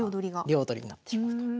両取りになってしまうと。